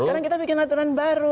nah sekarang kita membuat aturan baru